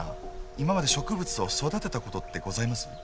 今まで植物を育てたことってございます？